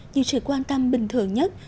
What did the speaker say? nhưng sự quan tâm bình thường nhất